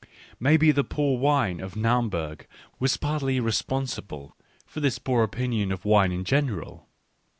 Maybe the poor wine of Naumburg was partly re sponsible for this poor opinion of wine in general.